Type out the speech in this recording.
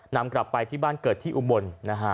นำกลับไปที่บ้านเกิดที่อุบลนะฮะ